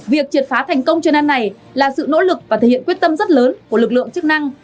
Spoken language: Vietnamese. việc triệt phá thành công chuyên án này là sự nỗ lực và thể hiện quyết tâm rất lớn của lực lượng chức năng